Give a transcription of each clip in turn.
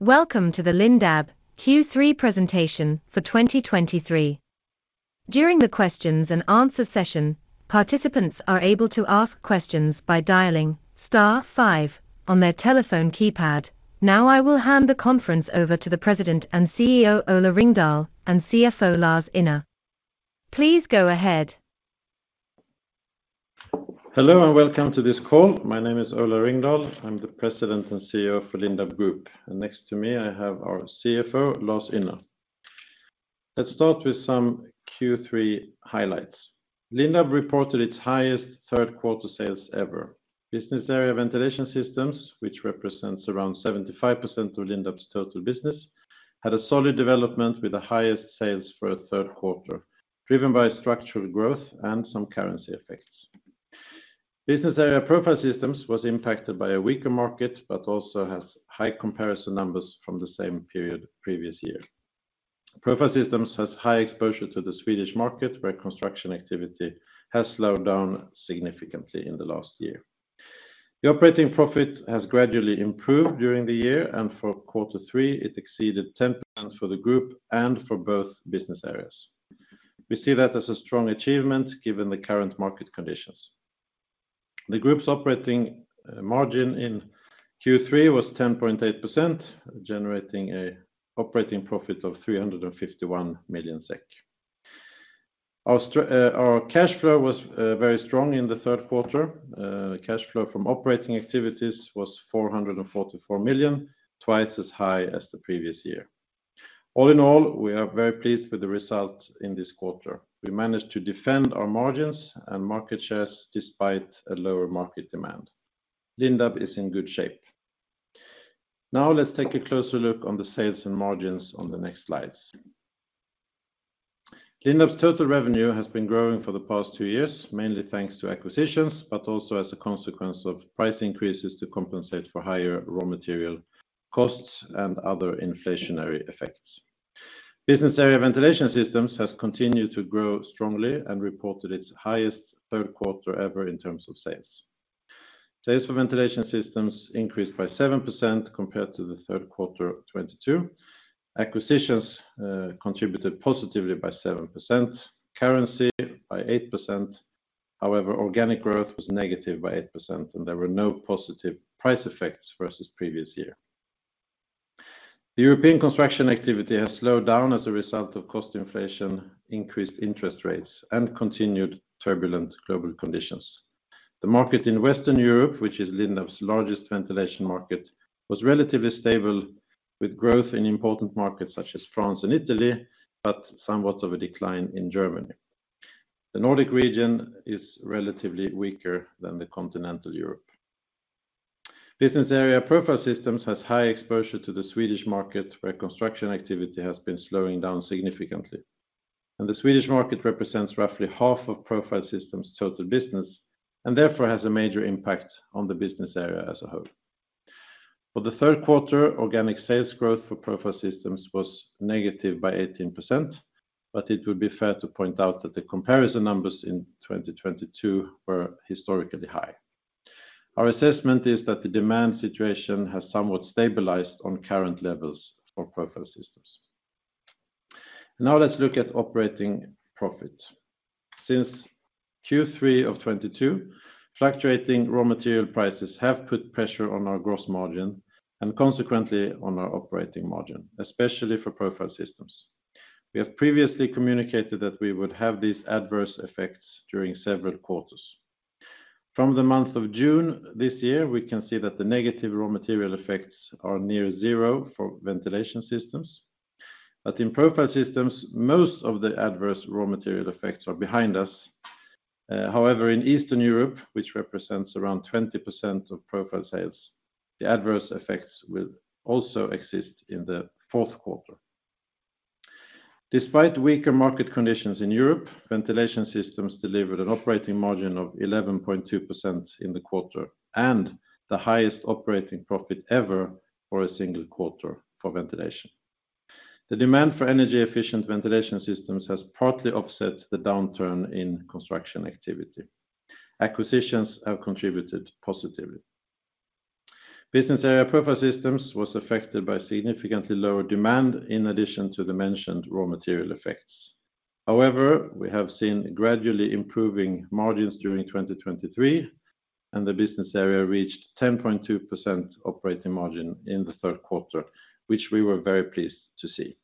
Welcome to the Lindab Q3 presentation for 2023. During the questions and answers session, participants are able to ask questions by dialing star five on their telephone keypad. Now, I will hand the conference over to the President and CEO, Ola Ringdahl, and CFO, Lars Ynner. Please go ahead. Hello, and welcome to this call. My name is Ola Ringdahl. I'm the President and CEO for Lindab Group, and next to me, I have our CFO, Lars Ynner. Let's start with some Q3 highlights. Lindab reported its highest Q3 sales ever. Business area Ventilation Systems, which represents around 75% of Lindab's total business, had a solid development with the highest sales for a Q3, driven by structural growth and some currency effects. Business area Profile Systems was impacted by a weaker market, but also has high comparison numbers from the same period previous year. Profile Systems has high exposure to the Swedish market, where construction activity has slowed down significantly in the last year. The operating profit has gradually improved during the year, and for quarter three, it exceeded ten for the group and for both business areas. We see that as a strong achievement, given the current market conditions. The group's operating margin in Q3 was 10.8%, generating a operating profit of 351 million SEK. Our cash flow was very strong in the Q3. Cash flow from operating activities was 444 million SEK, twice as high as the previous year. All in all, we are very pleased with the results in this quarter. We managed to defend our margins and market shares despite a lower market demand. Lindab is in good shape. Now, let's take a closer look on the sales and margins on the next slides. Lindab's total revenue has been growing for the past two years, mainly thanks to acquisitions, but also as a consequence of price increases to compensate for higher raw material costs and other inflationary effects. Business area Ventilation Systems has continued to grow strongly and reported its highest Q3 ever in terms of sales. Sales for Ventilation Systems increased by 7% compared to the Q3 of 2022. Acquisitions contributed positively by 7%, currency by 8%. However, organic growth was negative by 8%, and there were no positive price effects versus previous year. The European construction activity has slowed down as a result of cost inflation, increased interest rates, and continued turbulent global conditions. The market in Western Europe, which is Lindab's largest ventilation market, was relatively stable, with growth in important markets such as France and Italy, but somewhat of a decline in Germany. The Nordic region is relatively weaker than the Continental Europe. Business area Profile Systems has high exposure to the Swedish market, where construction activity has been slowing down significantly. The Swedish market represents roughly half of Profile Systems' total business, and therefore, has a major impact on the business area as a whole. For the Q3, organic sales growth for Profile Systems was negative by 18%, but it would be fair to point out that the comparison numbers in 2022 were historically high. Our assessment is that the demand situation has somewhat stabilized on current levels for Profile Systems. Now, let's look at operating profit. Since Q3 of 2022, fluctuating raw material prices have put pressure on our gross margin and consequently on our operating margin, especially for Profile Systems. We have previously communicated that we would have these adverse effects during several quarters. From the month of June this year, we can see that the negative raw material effects are near zero for Ventilation Systems. But in Profile Systems, most of the adverse raw material effects are behind us. However, in Eastern Europe, which represents around 20% of Profile Systems sales, the adverse effects will also exist in the fourth quarter. Despite weaker market conditions in Europe, Ventilation Systems delivered an operating margin of 11.2% in the quarter and the highest operating profit ever for a single quarter for Ventilation Systems. The demand for energy-efficient Ventilation Systems has partly offset the downturn in construction activity. Acquisitions have contributed positively. Business area Profile Systems was affected by significantly lower demand in addition to the mentioned raw material effects. However, we have seen gradually improving margins during 2023, and the business area reached 10.2% operating margin in the Q3, which we were very pleased to see.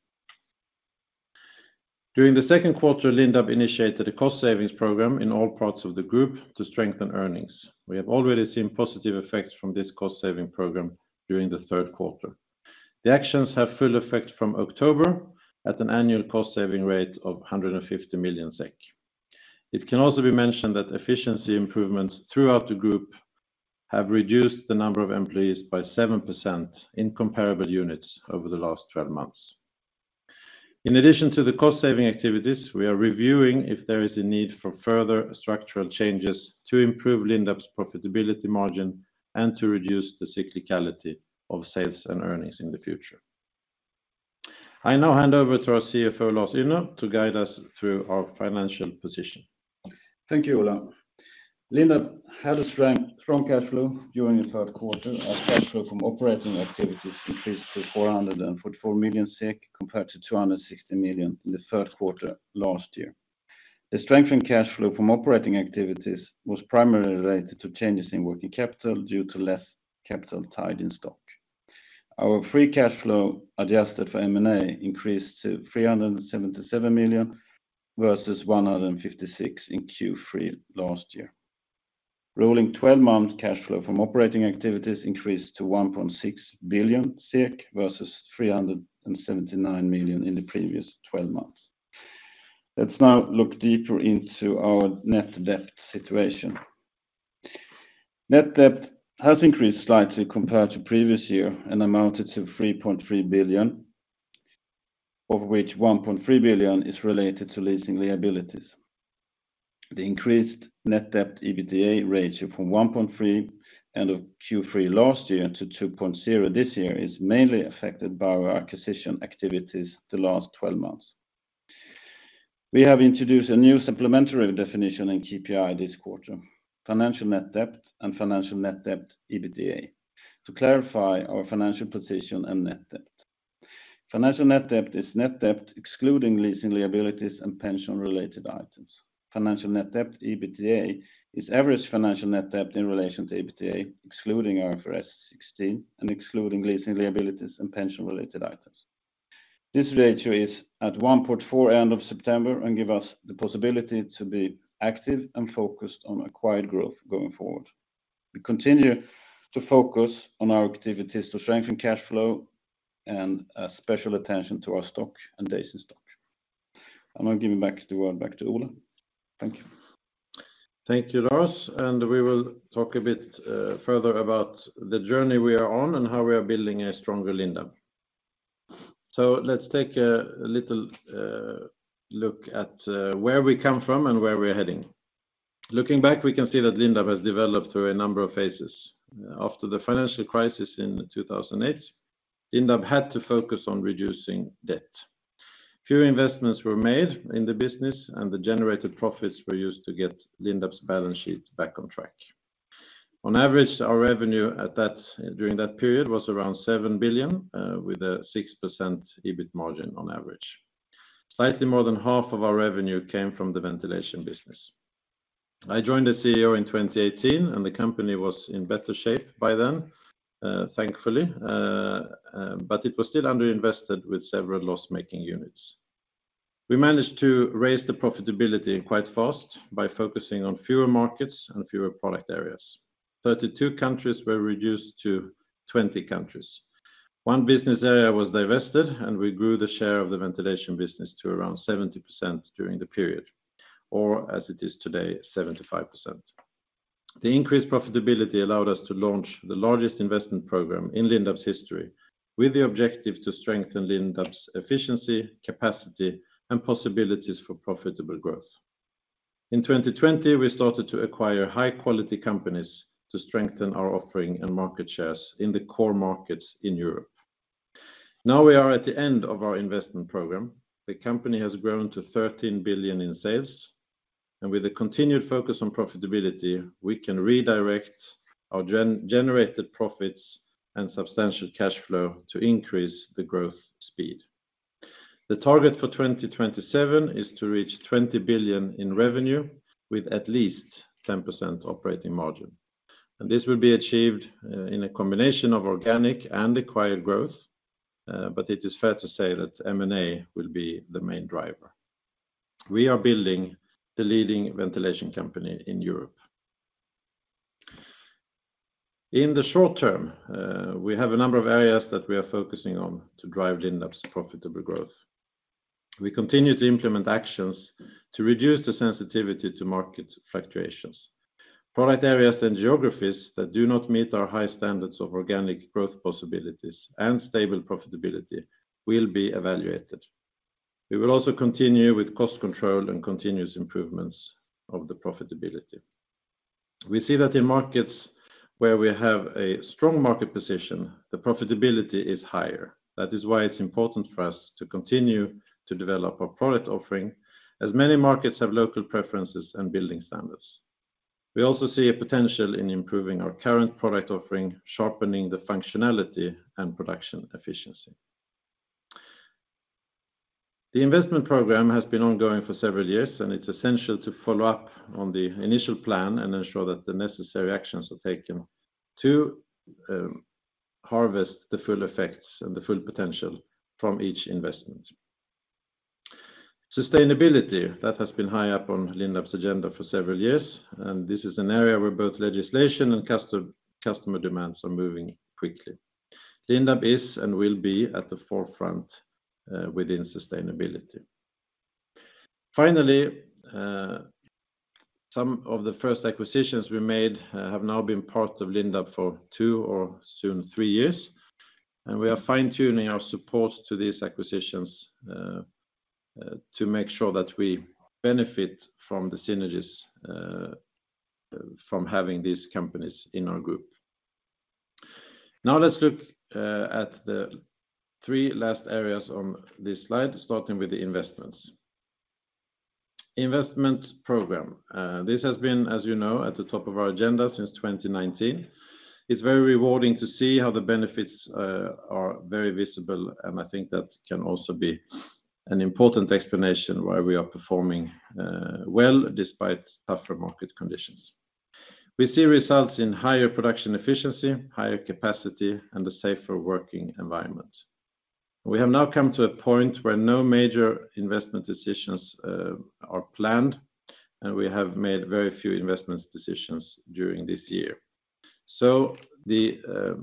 During the Q2, Lindab initiated a cost savings program in all parts of the group to strengthen earnings. We have already seen positive effects from this cost-saving program during the Q3. The actions have full effect from October at an annual cost-saving rate of 150 million SEK. It can also be mentioned that efficiency improvements throughout the group have reduced the number of employees by 7% in comparable units over the last 12 months. In addition to the cost-saving activities, we are reviewing if there is a need for further structural changes to improve Lindab's profitability margin and to reduce the cyclicality of sales and earnings in the future.... I now hand over to our CFO, Lars Ynner, to guide us through our financial position. Thank you, Ola. Lindab had a strong, strong cash flow during the Q3. Our cash flow from operating activities increased to 444 million SEK, compared to 260 million in the Q3 last year. The strength in cash flow from operating activities was primarily related to changes in working capital due to less capital tied in stock. Our free cash flow, adjusted for M&A, increased to 377 million, versus 156 million in Q3 last year. Rolling twelve-month cash flow from operating activities increased to 1.6 billion, versus 379 million in the previous twelve months. Let's now look deeper into our net debt situation. Net debt has increased slightly compared to previous year, and amounted to 3.3 billion, of which 1.3 billion is related to leasing liabilities. The increased net debt EBITDA ratio from 1.3 end of Q3 last year to 2.0 this year is mainly affected by our acquisition activities the last 12 months. We have introduced a new supplementary definition in KPI this quarter, financial net debt and financial net debt EBITDA, to clarify our financial position and net debt. Financial net debt is net debt, excluding leasing liabilities and pension-related items. Financial net debt EBITDA is average financial net debt in relation to EBITDA, excluding IFRS 16 and excluding leasing liabilities and pension-related items. This ratio is at 1.4 end of September, and give us the possibility to be active and focused on acquired growth going forward. We continue to focus on our activities to strengthen cash flow and special attention to our stock and days in stock. I'm now giving back the word back to Ola. Thank you. Thank you, Lars, and we will talk a bit further about the journey we are on, and how we are building a stronger Lindab. So let's take a little look at where we come from and where we're heading. Looking back, we can see that Lindab has developed through a number of phases. After the financial crisis in 2008, Lindab had to focus on reducing debt. Few investments were made in the business, and the generated profits were used to get Lindab's balance sheet back on track. On average, our revenue during that period was around 7 billion with a 6% EBIT margin on average. Slightly more than half of our revenue came from the ventilation business. I joined as CEO in 2018, and the company was in better shape by then, thankfully. But it was still underinvested with several loss-making units. We managed to raise the profitability quite fast by focusing on fewer markets and fewer product areas. 32 countries were reduced to 20 countries. One business area was divested, and we grew the share of the ventilation business to around 70% during the period, or as it is today, 75%. The increased profitability allowed us to launch the largest investment program in Lindab's history, with the objective to strengthen Lindab's efficiency, capacity, and possibilities for profitable growth. In 2020, we started to acquire high-quality companies to strengthen our offering and market shares in the core markets in Europe. Now, we are at the end of our investment program. The company has grown to 13 billion in sales, and with a continued focus on profitability, we can redirect our generated profits and substantial cash flow to increase the growth speed. The target for 2027 is to reach 20 billion in revenue, with at least 10% operating margin, and this will be achieved in a combination of organic and acquired growth, but it is fair to say that M&A will be the main driver. We are building the leading ventilation company in Europe. In the short term, we have a number of areas that we are focusing on to drive Lindab's profitable growth. We continue to implement actions to reduce the sensitivity to market fluctuations. Product areas and geographies that do not meet our high standards of organic growth possibilities and stable profitability will be evaluated. We will also continue with cost control and continuous improvements of the profitability. We see that in markets where we have a strong market position, the profitability is higher. That is why it's important for us to continue to develop our product offering, as many markets have local preferences and building standards. We also see a potential in improving our current product offering, sharpening the functionality and production efficiency. The investment program has been ongoing for several years, and it's essential to follow up on the initial plan and ensure that the necessary actions are taken to harvest the full effects and the full potential from each investment. Sustainability, that has been high up on Lindab's agenda for several years, and this is an area where both legislation and customer demands are moving quickly. Lindab is, and will be, at the forefront within sustainability. Finally, some of the first acquisitions we made have now been part of Lindab for two or soon three years, and we are fine-tuning our support to these acquisitions to make sure that we benefit from the synergies from having these companies in our group. Now let's look at the three last areas on this slide, starting with the investments. Investment program. This has been, as you know, at the top of our agenda since 2019. It's very rewarding to see how the benefits are very visible, and I think that can also be an important explanation why we are performing well despite tougher market conditions. We see results in higher production efficiency, higher capacity, and a safer working environment. We have now come to a point where no major investment decisions are planned, and we have made very few investment decisions during this year. So the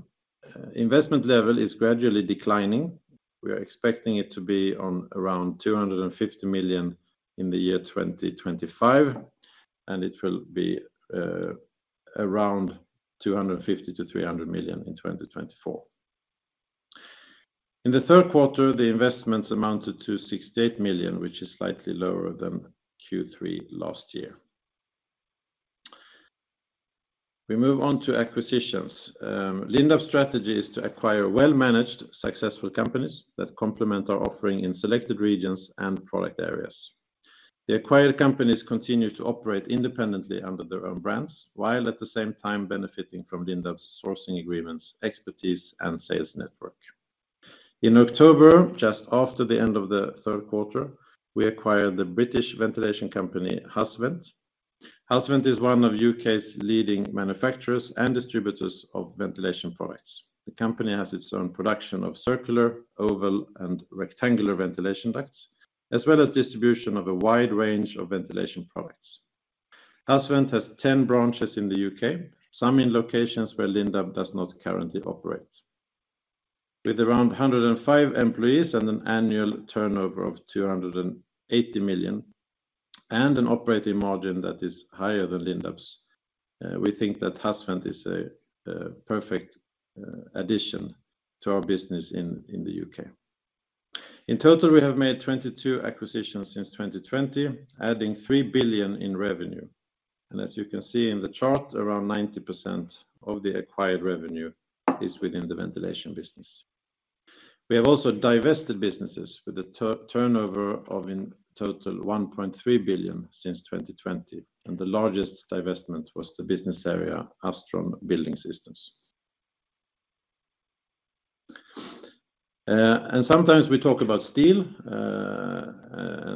investment level is gradually declining. We are expecting it to be on around 250 million in the year 2025, and it will be around SEK 250 million-SEK 300 million in 2024. In the Q3, the investments amounted to 68 million, which is slightly lower than Q3 last year. We move on to acquisitions. Lindab's strategy is to acquire well-managed, successful companies that complement our offering in selected regions and product areas. The acquired companies continue to operate independently under their own brands, while at the same time benefiting from Lindab's sourcing agreements, expertise, and sales network. In October, just after the end of the Q3, we acquired the British ventilation company, HAS-Vent. HAS-Vent is one of the U.K.'s leading manufacturers and distributors of ventilation products. The company has its own production of circular, oval, and rectangular ventilation ducts, as well as distribution of a wide range of ventilation products. HAS-Vent has 10 branches in the U.K., some in locations where Lindab does not currently operate. With around 105 employees and an annual turnover of 280 million, and an operating margin that is higher than Lindab's, we think that HAS-Vent is a, a perfect, addition to our business in, in the U.K.. In total, we have made 22 acquisitions since 2020, adding 3 billion in revenue. And as you can see in the chart, around 90% of the acquired revenue is within the ventilation business. We have also divested businesses with a turnover of in total 1.3 billion since 2020, and the largest divestment was the business area, Astron Building Systems. Sometimes we talk about steel,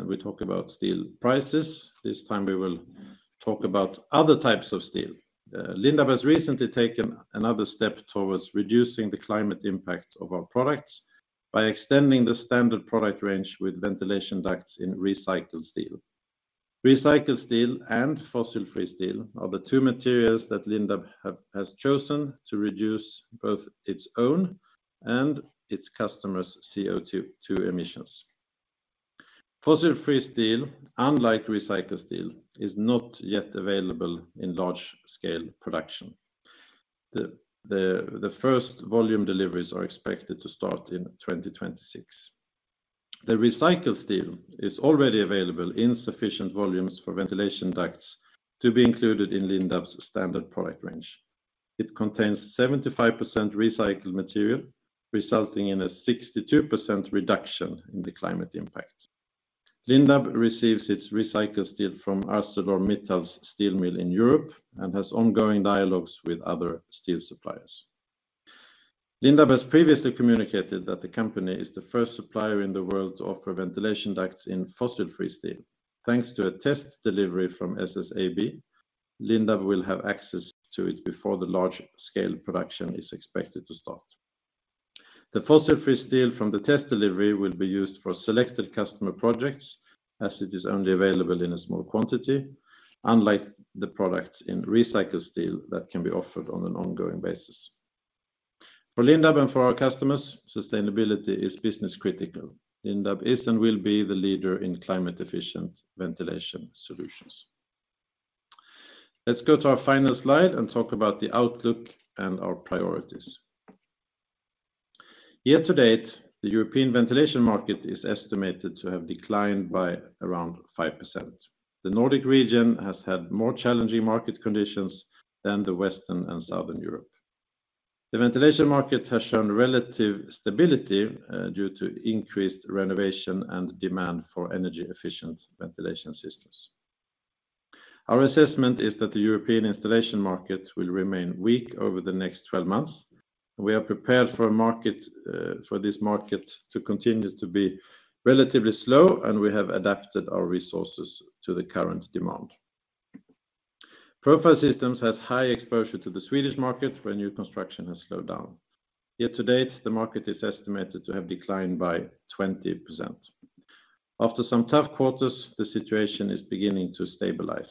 we talk about steel prices. This time, we will talk about other types of steel. Lindab has recently taken another step towards reducing the climate impact of our products by extending the standard product range with ventilation ducts in recycled steel. Recycled steel and fossil-free steel are the two materials that Lindab has chosen to reduce both its own and its customers' CO2 emissions. Fossil-free steel, unlike recycled steel, is not yet available in large-scale production. The first volume deliveries are expected to start in 2026. The recycled steel is already available in sufficient volumes for ventilation ducts to be included in Lindab's standard product range. It contains 75% recycled material, resulting in a 62% reduction in the climate impact. Lindab receives its recycled steel from ArcelorMittal's steel mill in Europe and has ongoing dialogues with other steel suppliers. Lindab has previously communicated that the company is the first supplier in the world to offer ventilation ducts in fossil-free steel. Thanks to a test delivery from SSAB, Lindab will have access to it before the large-scale production is expected to start. The fossil-free steel from the test delivery will be used for selected customer projects as it is only available in a small quantity, unlike the product in recycled steel that can be offered on an ongoing basis. For Lindab and for our customers, sustainability is business critical. Lindab is and will be the leader in climate-efficient ventilation solutions. Let's go to our final slide and talk about the outlook and our priorities. Year to date, the European ventilation market is estimated to have declined by around 5%. The Nordic region has had more challenging market conditions than the Western and Southern Europe. The ventilation market has shown relative stability due to increased renovation and demand for energy-efficient ventilation systems. Our assessment is that the European installation market will remain weak over the next 12 months. We are prepared for this market to continue to be relatively slow, and we have adapted our resources to the current demand. Profile Systems has high exposure to the Swedish market, where new construction has slowed down. Year to date, the market is estimated to have declined by 20%. After some tough quarters, the situation is beginning to stabilize.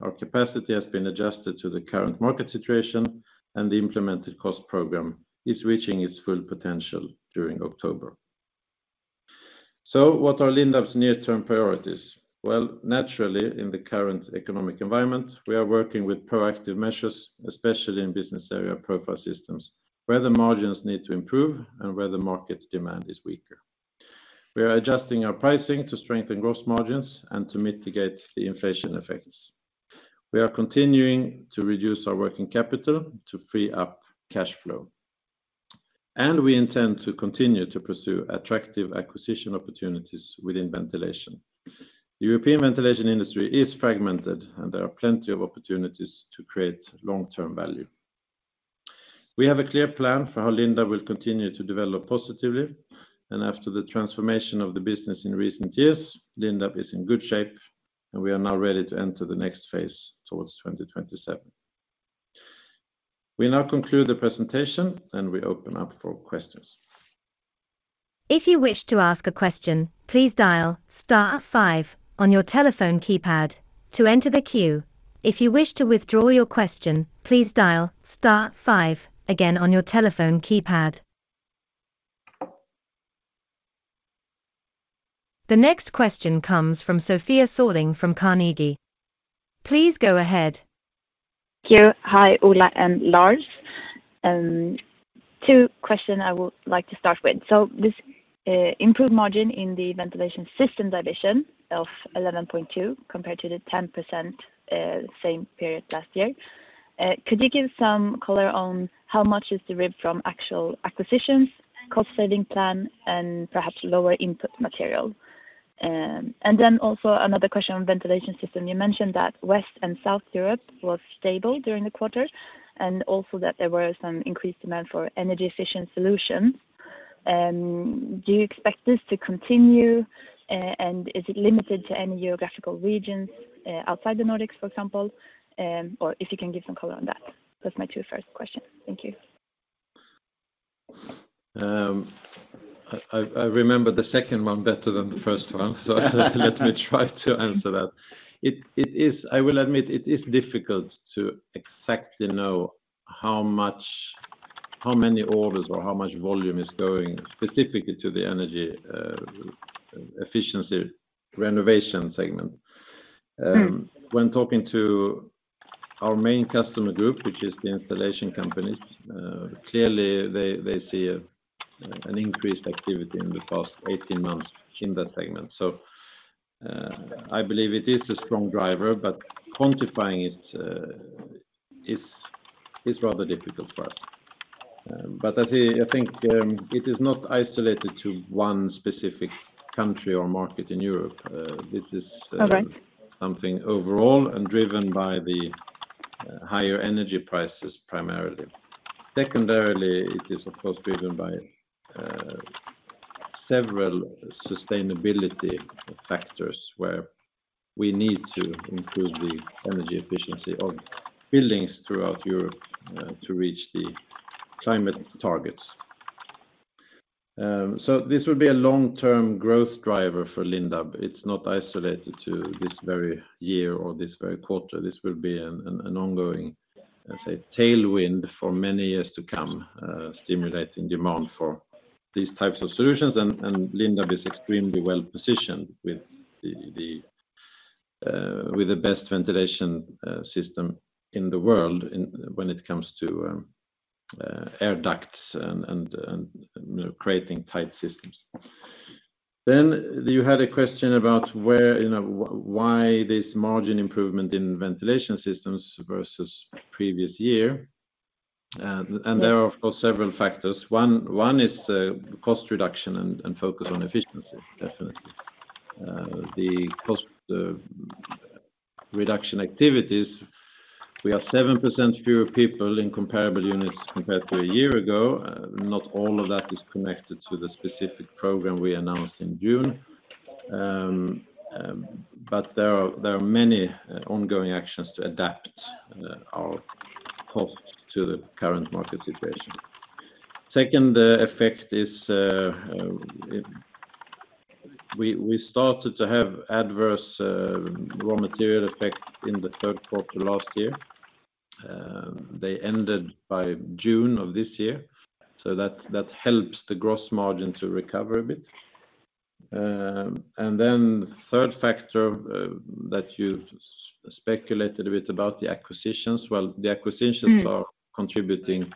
Our capacity has been adjusted to the current market situation, and the implemented cost program is reaching its full potential during October. So what are Lindab's near-term priorities? Well, naturally, in the current economic environment, we are working with proactive measures, especially in business area Profile Systems, where the margins need to improve and where the market demand is weaker. We are adjusting our pricing to strengthen gross margins and to mitigate the inflation effects. We are continuing to reduce our working capital to free up cash flow, and we intend to continue to pursue attractive acquisition opportunities within ventilation. European ventilation industry is fragmented, and there are plenty of opportunities to create long-term value. We have a clear plan for how Lindab will continue to develop positively, and after the transformation of the business in recent years, Lindab is in good shape, and we are now ready to enter the next phase towards 2027. We now conclude the presentation, and we open up for questions. If you wish to ask a question, please dial star five on your telephone keypad to enter the queue. If you wish to withdraw your question, please dial star five again on your telephone keypad. The next question comes from Sofia Sörling, from Carnegie. Please go ahead. Thank you. Hi, Ola and Lars. Two questions I would like to start with. So this improved margin in the ventilation system division of 11.2%, compared to the 10% same period last year. Could you give some color on how much is derived from actual acquisitions, cost saving plan, and perhaps lower input material? And then also another question on ventilation system. You mentioned that West and South Europe was stable during the quarter, and also that there were some increased demand for energy efficient solutions. Do you expect this to continue, and is it limited to any geographical regions outside the Nordics, for example, or if you can give some color on that? That's my two first questions. Thank you. I remember the second one better than the first one, so let me try to answer that. It is. I will admit it is difficult to exactly know how much, how many orders or how much volume is going specifically to the energy efficiency renovation segment. Mm. When talking to our main customer group, which is the installation companies, clearly, they see an increased activity in the past 18 months in that segment. So, I believe it is a strong driver, but quantifying it is rather difficult for us. But I think it is not isolated to one specific country or market in Europe. This is- Okay. - something overall and driven by the, higher energy prices, primarily. Secondarily, it is, of course, driven by, several sustainability factors, where we need to improve the energy efficiency of buildings throughout Europe, to reach the climate targets. So this will be a long-term growth driver for Lindab. It's not isolated to this very year or this very quarter. This will be an ongoing, let's say, tailwind for many years to come, stimulating demand for these types of solutions, and Lindab is extremely well-positioned with the best ventilation system in the world when it comes to air ducts and, you know, creating tight systems. Then you had a question about where, you know, why this margin improvement in ventilation systems versus previous year? And there are, of course, several factors. One is cost reduction and focus on efficiency, definitely. The cost reduction activities, we have 7% fewer people in comparable units compared to a year ago. Not all of that is connected to the specific program we announced in June. But there are many ongoing actions to adapt our cost to the current market situation. Second effect is, we started to have adverse raw material effect in the Q3 last year. They ended by June of this year, so that helps the gross margin to recover a bit. And then the third factor that you speculated a bit about the acquisitions, well, the acquisitions- Mm. - are contributing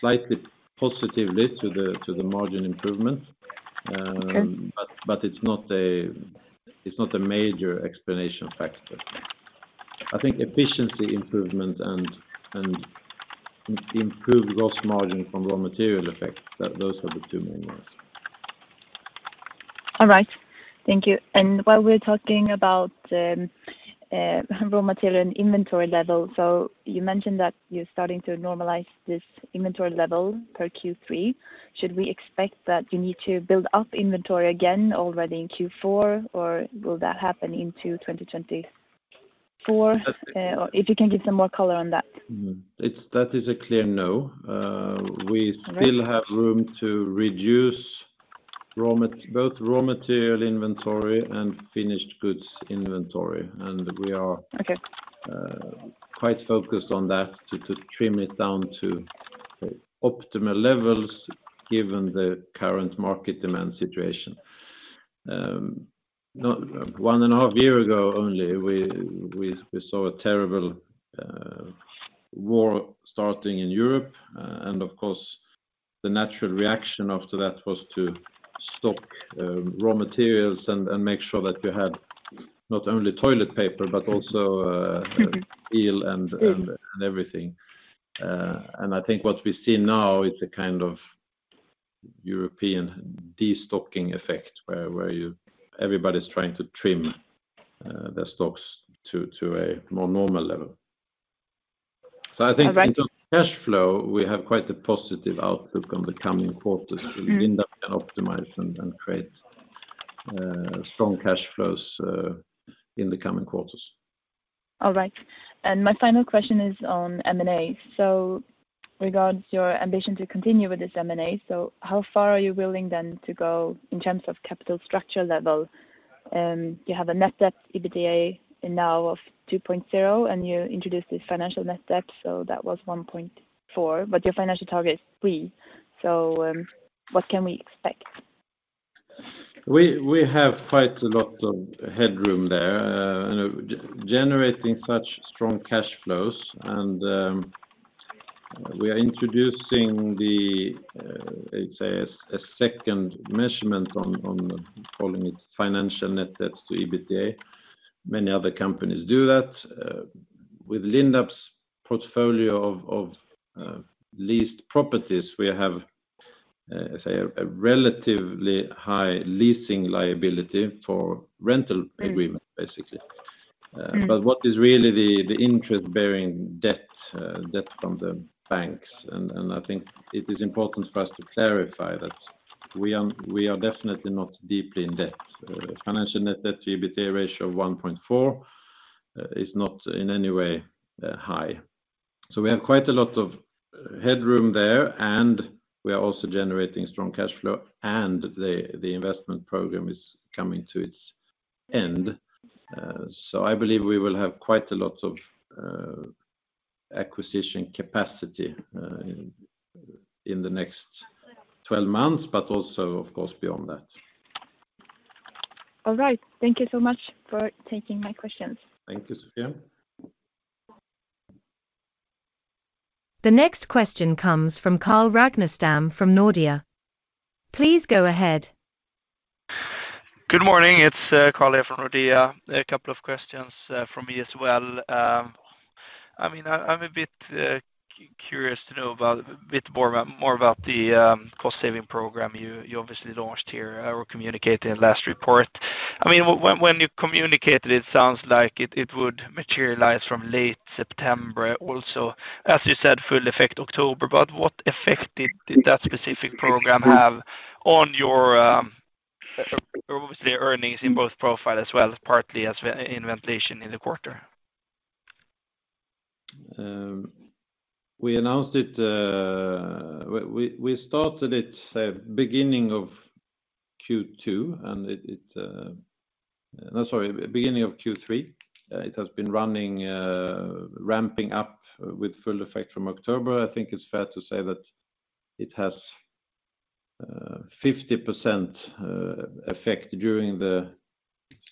slightly positively to the margin improvement. Okay. But it's not a major explanation factor. I think efficiency improvement and improved gross margin from raw material effect, those are the two main ones. All right. Thank you, and while we're talking about, raw material and inventory level, so you mentioned that you're starting to normalize this inventory level per Q3. Should we expect that you need to build up inventory again already in Q4, or will that happen into 2024? If you can give some more color on that? That is a clear no. All right. We still have room to reduce both raw material inventory and finished goods inventory, and we are- Okay quite focused on that, to trim it down to optimal levels, given the current market demand situation... No, 1.5 year ago, only we saw a terrible war starting in Europe. And of course, the natural reaction after that was to stock raw materials and make sure that you had not only toilet paper, but also steel and everything. And I think what we see now is a kind of European destocking effect, where everybody's trying to trim their stocks to a more normal level. All right. I think in terms of cash flow, we have quite a positive outlook on the coming quarters. Mm-hmm. Lindab can optimize and create strong cash flows in the coming quarters. All right. My final question is on M&A. Regarding your ambition to continue with this M&A, how far are you willing then to go in terms of capital structure level? You have a net debt to EBITDA, and now of 2.0, and you introduced this financial net debt, so that was 1.4, but your financial target is three. So, what can we expect? We have quite a lot of headroom there, and generating such strong cash flows, and we are introducing the, let's say, a second measurement on calling it financial net debt to EBITDA. Many other companies do that. With Lindab's portfolio of leased properties, we have, say, a relatively high leasing liability for rental agreement, basically. Mm. But what is really the interest-bearing debt, debt from the banks, and I think it is important for us to clarify that we are definitely not deeply in debt. Financial Net Debt to EBITDA ratio of 1.4 is not in any way high. So we have quite a lot of headroom there, and we are also generating strong cash flow, and the investment program is coming to its end. So I believe we will have quite a lot of acquisition capacity in the next 12 months, but also, of course, beyond that. All right. Thank you so much for taking my questions. Thank you, Sofia. The next question comes from Carl Ragnerstam, from Nordea. Please go ahead. Good morning, it's Carl here from Nordea. A couple of questions from me as well. I mean, I'm a bit curious to know about a bit more about more about the cost saving program you obviously launched here or communicated in last report. I mean, when you communicated, it sounds like it would materialize from late September, also, as you said, full effect October, but what effect did that specific program have on your obviously earnings in both profile as well, partly as in ventilation in the quarter? We announced it. We started it beginning of Q2, and it no, sorry, beginning of Q3. It has been running, ramping up with full effect from October. I think it's fair to say that it has 50% effect during the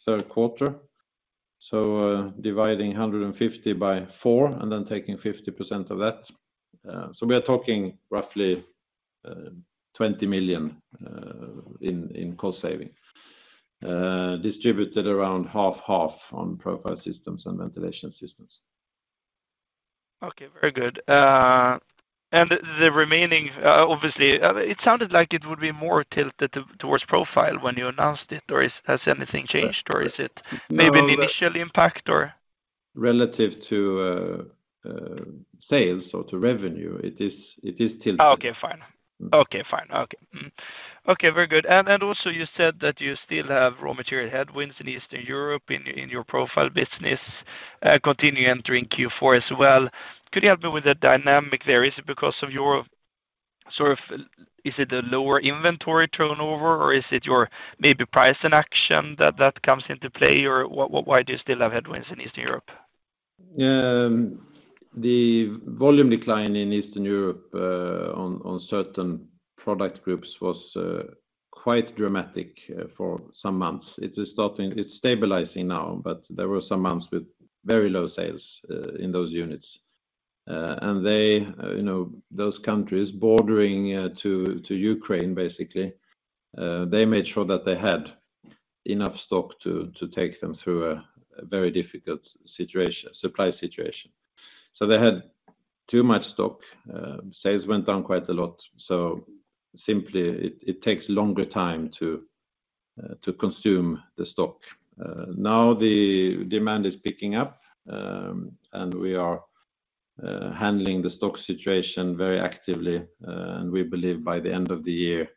Q3, so, dividing 150 by four and then taking 50% of that. So we are talking roughly 20 million in cost saving, distributed around 50/50 on Profile Systems and Ventilation Systems. Okay, very good. And the remaining, obviously, it sounded like it would be more tilted towards Profile when you announced it, or has anything changed, or is it? No. Maybe an initial impact or? Relative to sales or to revenue, it is tilted. Okay, fine. Okay, fine. Okay. Okay, very good. And also you said that you still have raw material headwinds in Eastern Europe, in your profile business, continuing entering Q4 as well. Could you help me with the dynamic there? Is it because of your sort of, is it a lower inventory turnover, or is it your maybe pricing action that comes into play, or why do you still have headwinds in Eastern Europe? The volume decline in Eastern Europe, on certain product groups was quite dramatic for some months. It's stabilizing now, but there were some months with very low sales in those units. And they, you know, those countries bordering to Ukraine, basically, they made sure that they had enough stock to take them through a very difficult situation, supply situation. So they had too much stock. Sales went down quite a lot, so simply it takes longer time to consume the stock. Now the demand is picking up, and we are handling the stock situation very actively, and we believe by the end of the year,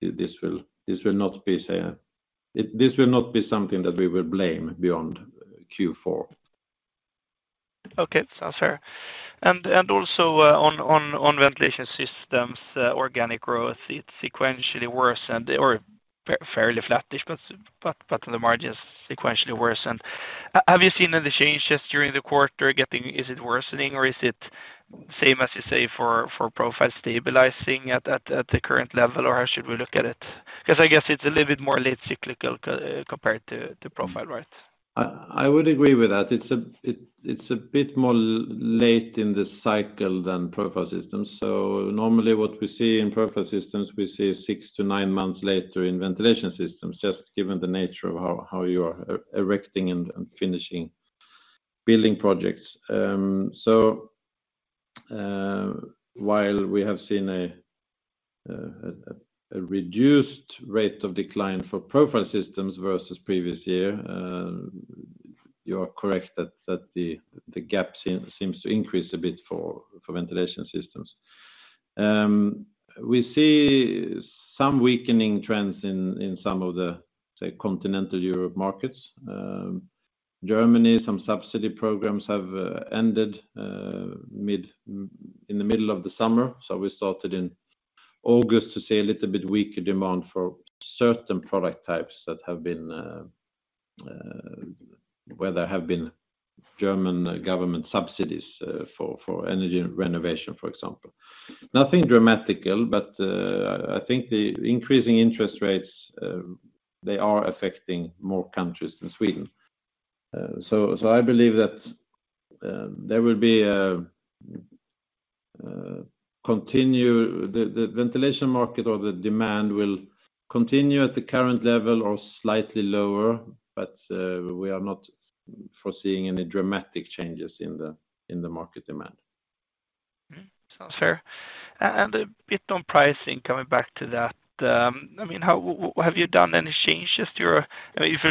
this will not be, say, this will not be something that we will blame beyond Q4. Okay, sounds fair. And also, on Ventilation Systems, organic growth, it's sequentially worse, or fairly flat-ish, but the margin is sequentially worse. And have you seen any changes during the quarter getting... Is it worsening, or is it... Same as you say for Profile stabilizing at the current level, or how should we look at it? Because I guess it's a little bit more late cyclical compared to Profile, right? I would agree with that. It's a bit more late in the cycle than Profile Systems. So normally what we see in Profile Systems, we see 6-9 months later in Ventilation Systems, just given the nature of how you are erecting and finishing building projects. So while we have seen a reduced rate of decline for Profile Systems versus previous year, you are correct that the gap seems to increase a bit for Ventilation Systems. We see some weakening trends in some of the, say, continental Europe markets. Germany, some subsidy programs have ended in the middle of the summer. So we started in August to see a little bit weaker demand for certain product types where there have been German government subsidies for energy renovation, for example. Nothing dramatic, but I think the increasing interest rates, they are affecting more countries than Sweden. So I believe that the ventilation market or the demand will continue at the current level or slightly lower, but we are not foreseeing any dramatic changes in the market demand. Mm-hmm, sounds fair. And a bit on pricing, coming back to that, I mean, if you're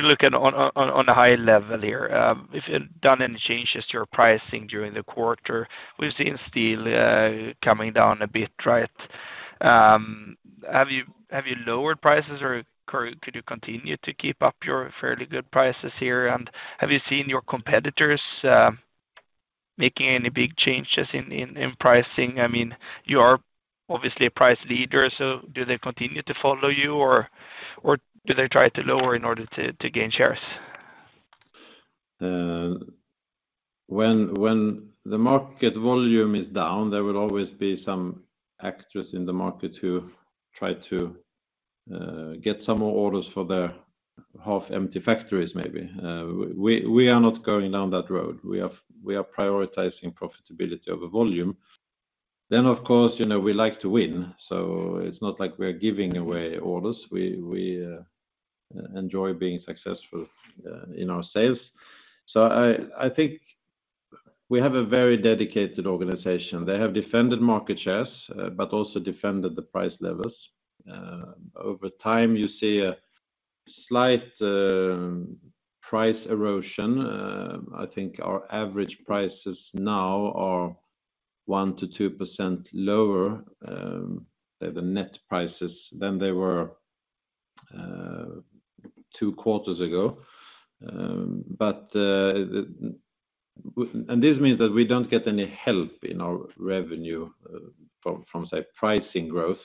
looking on a high level here, if you've done any changes to your pricing during the quarter, we've seen steel coming down a bit, right? Have you lowered prices, or could you continue to keep up your fairly good prices here? And have you seen your competitors making any big changes in pricing? I mean, you are obviously a price leader, so do they continue to follow you, or do they try to lower in order to gain shares? When the market volume is down, there will always be some actors in the market who try to get some more orders for their half empty factories, maybe. We are not going down that road. We are prioritizing profitability over volume. Then, of course, you know, we like to win, so it's not like we are giving away orders. We enjoy being successful in our sales. So I think we have a very dedicated organization. They have defended market shares but also defended the price levels. Over time, you see a slight price erosion. I think our average prices now are 1%-2% lower, the net prices, than they were two quarters ago. But, and this means that we don't get any help in our revenue, from, from, say, pricing growth.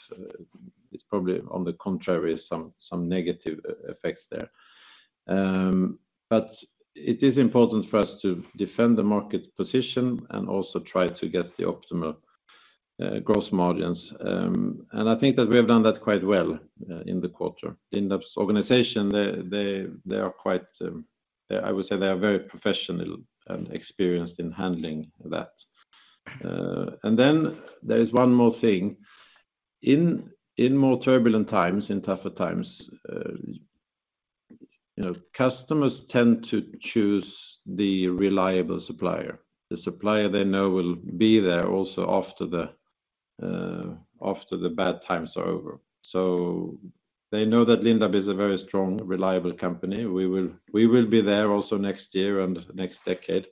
It's probably, on the contrary, some, some negative effects there. But it is important for us to defend the market position and also try to get the optimal, gross margins. And I think that we have done that quite well, in the quarter. In the organization, they are quite, I would say they are very professional and experienced in handling that. And then there is one more thing. In, in more turbulent times, in tougher times, you know, customers tend to choose the reliable supplier, the supplier they know will be there also after the, after the bad times are over. So they know that Lindab is a very strong, reliable company. We will, we will be there also next year and next decade,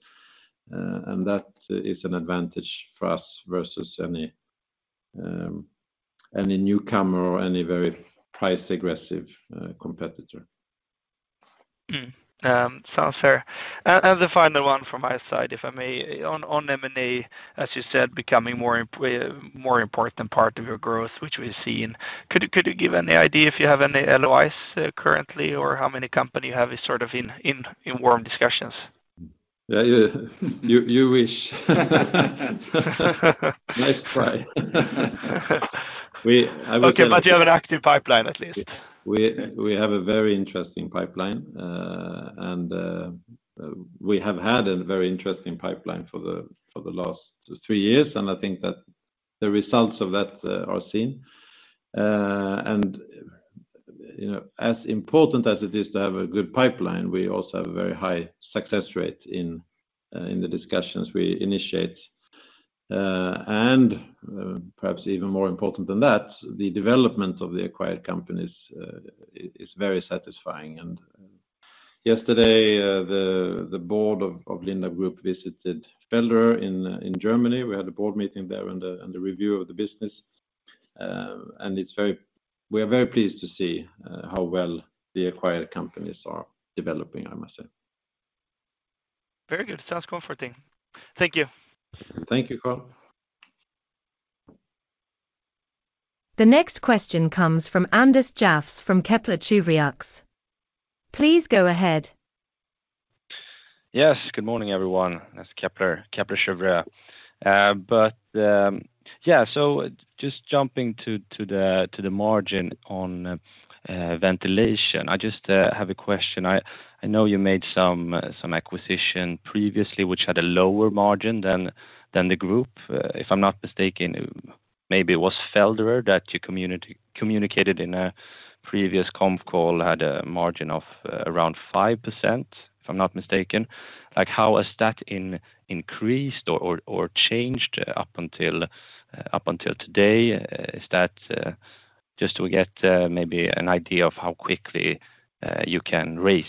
and that is an advantage for us versus any, any newcomer or any very price aggressive, competitor. Sounds fair. The final one from my side, if I may, on M&A, as you said, becoming more important part of your growth, which we've seen. Could you give any idea if you have any LOIs currently, or how many company you have is sort of in warm discussions? Yeah, yeah. You, you wish. Nice try. We- Okay, but you have an active pipeline, at least? We have a very interesting pipeline, and we have had a very interesting pipeline for the last three years, and I think that the results of that are seen. You know, as important as it is to have a good pipeline, we also have a very high success rate in the discussions we initiate. Perhaps even more important than that, the development of the acquired companies is very satisfying. Yesterday, the board of Lindab Group visited Felderer in Germany. We had a board meeting there and a review of the business, and it's very... We are very pleased to see how well the acquired companies are developing, I must say. Very good. Sounds comforting. Thank you. Thank you, Carl.... The next question comes from Anders Jafs from Kepler Cheuvreux. Please go ahead. Yes, good morning, everyone. That's Kepler, Kepler Cheuvreux. But, yeah, so just jumping to the margin on ventilation. I just have a question. I know you made some acquisition previously, which had a lower margin than the group. If I'm not mistaken, maybe it was Felderer that your company communicated in a previous comm call, had a margin of around 5%, if I'm not mistaken. Like, how has that increased or changed up until today? Just to get maybe an idea of how quickly you can raise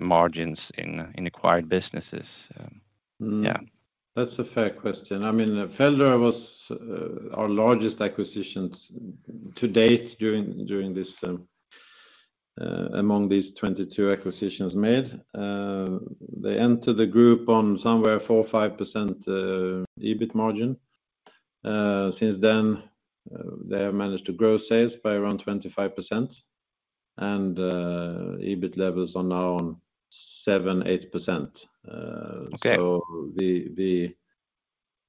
margins in acquired businesses? Yeah. That's a fair question. I mean, Felderer was, our largest acquisitions to date during this among these 22 acquisitions made. They entered the group on somewhere 4-5% EBIT margin. Since then, they have managed to grow sales by around 25%, and EBIT levels are now on 7-8%. Okay. So the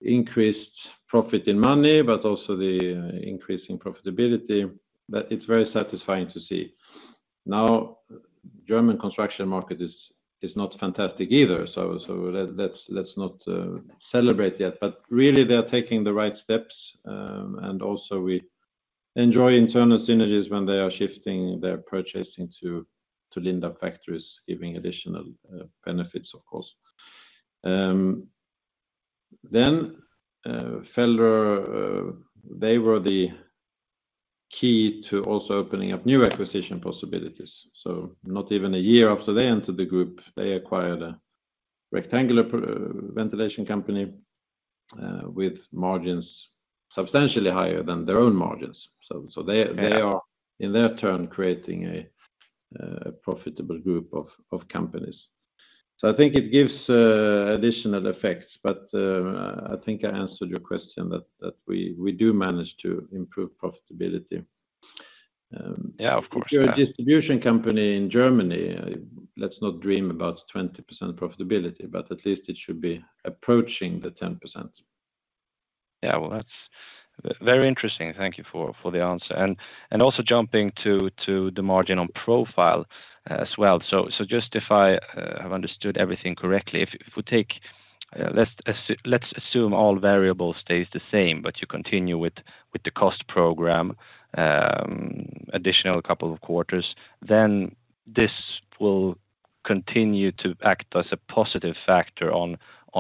increased profit in money, but also the increase in profitability. But it's very satisfying to see. Now, German construction market is not fantastic either, so let's not celebrate yet. But really, they are taking the right steps, and also we enjoy internal synergies when they are shifting their purchasing to Lindab factories, giving additional benefits, of course. Then, Felderer, they were the key to also opening up new acquisition possibilities. So not even a year after they entered the group, they acquired a rectangular ventilation company with margins substantially higher than their own margins. So they- Yeah... they are, in their turn, creating a profitable group of companies. So I think it gives additional effects, but I think I answered your question that we do manage to improve profitability. Yeah, of course. If you're a distribution company in Germany, let's not dream about 20% profitability, but at least it should be approaching the 10%. Yeah, well, that's very interesting. Thank you for the answer. And also jumping to the margin on profile as well. So just if I have understood everything correctly, if we take, let's assume all variable stays the same, but you continue with the cost program, additional couple of quarters, then this will continue to act as a positive factor on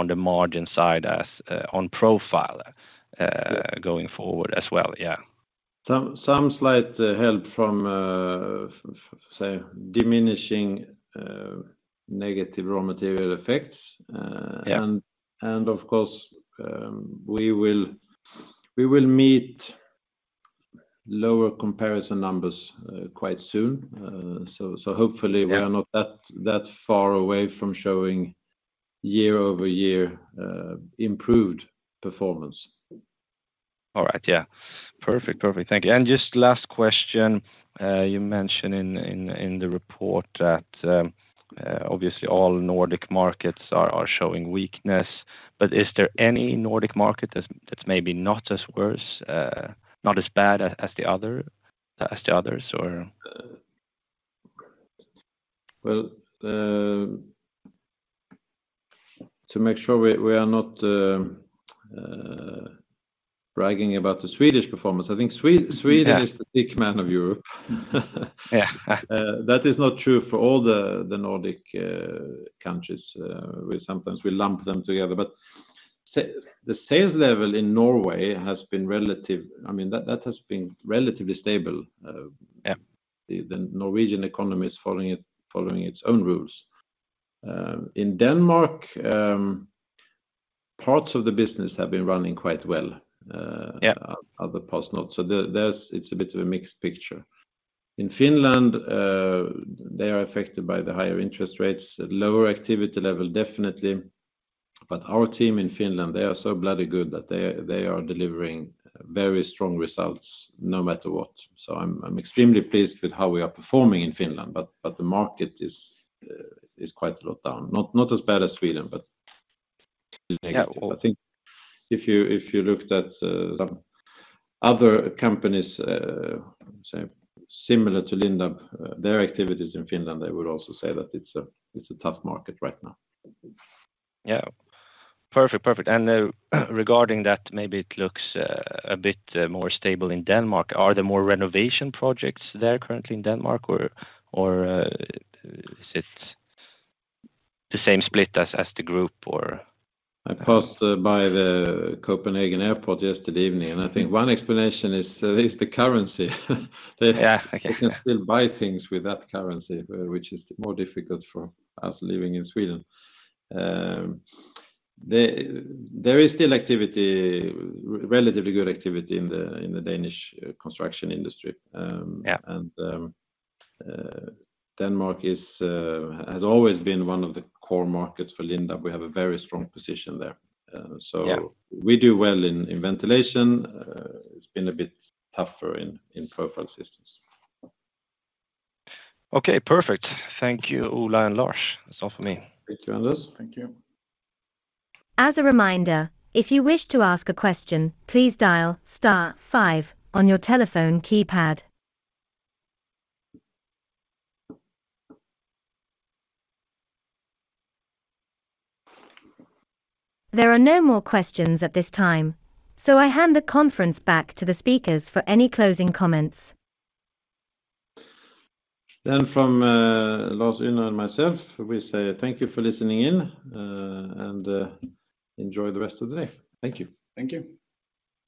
the margin side as on profile. Yeah going forward as well. Yeah. Some slight help from, say, diminishing negative raw material effects. Yeah. And of course, we will meet lower comparison numbers quite soon. So hopefully- Yeah... we are not that far away from showing year-over-year improved performance. All right. Yeah. Perfect, perfect. Thank you. And just last question. You mentioned in the report that obviously all Nordic markets are showing weakness, but is there any Nordic market that's maybe not as worse, not as bad as the others, or? Well, to make sure we are not bragging about the Swedish performance, I think Sweden- Yeah... is the sick man of Europe. Yeah. That is not true for all the Nordic countries. We sometimes lump them together. But the sales level in Norway has been relatively stable, I mean, that has been relatively stable. Yeah... The Norwegian economy is following it, following its own rules. In Denmark, parts of the business have been running quite well, Yeah... at the positive note. So there, there's, it's a bit of a mixed picture. In Finland, they are affected by the higher interest rates, lower activity level, definitely. But our team in Finland, they are so bloody good that they are delivering very strong results, no matter what. So I'm extremely pleased with how we are performing in Finland, but the market is quite a lot down. Not as bad as Sweden, but- Yeah... I think if you, if you looked at, some other companies, say, similar to Lindab, their activities in Finland, they would also say that it's a, it's a tough market right now. Yeah. Perfect, perfect. And, regarding that, maybe it looks, a bit, more stable in Denmark. Are there more renovation projects there currently in Denmark, or, or, is it the same split as, as the group or? I passed by the Copenhagen Airport yesterday evening, and I think one explanation is the currency. Yeah, okay. You can still buy things with that currency, which is more difficult for us living in Sweden. There is still activity, relatively good activity in the Danish construction industry. Yeah... Denmark has always been one of the core markets for Lindab. We have a very strong position there. Yeah... so we do well in Ventilation. It's been a bit tougher in Profile Systems. Okay, perfect. Thank you, Ola and Lars. That's all for me. Thank you, Anders. Thank you. As a reminder, if you wish to ask a question, please dial star five on your telephone keypad. There are no more questions at this time, so I hand the conference back to the speakers for any closing comments. From Lars-Uno and myself, we say thank you for listening in, and enjoy the rest of the day. Thank you. Thank you.